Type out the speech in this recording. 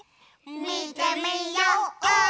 みてみよう！